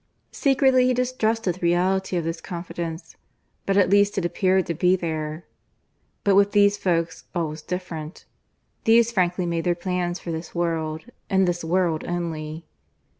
Secretly he distrusted the reality of this confidence; but at least it appeared to be there. But with these folks all was different. These frankly made their plans for this world, and this world only.